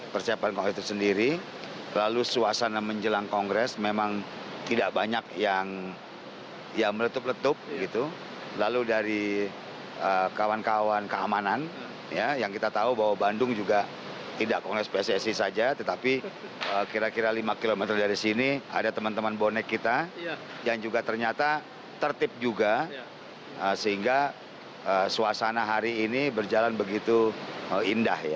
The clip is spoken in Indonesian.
persiapan kongres itu sendiri lalu suasana menjelang kongres memang tidak banyak yang meletup letup gitu lalu dari kawan kawan keamanan ya yang kita tahu bahwa bandung juga tidak kongres pssi saja tetapi kira kira lima km dari sini ada teman teman bonek kita yang juga ternyata tertip juga sehingga suasana hari ini berjalan begitu indah ya